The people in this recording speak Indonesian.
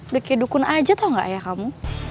deket dukun aja tau gak ayah kamu